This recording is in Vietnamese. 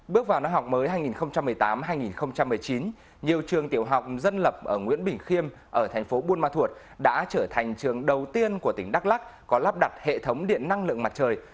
bước vào năm học mới hai nghìn một mươi tám hai nghìn một mươi chín nhiều trường tiểu học dân lập ở nguyễn bình khiêm ở thành phố buôn ma thuột đã trở thành trường đầu tiên của tỉnh đắk lắc có lắp đặt hệ thống điện năng lượng mặt trời